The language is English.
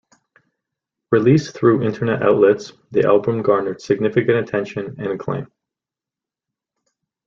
Released through internet outlets, the album garnered significant attention and acclaim.